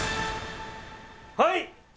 はい！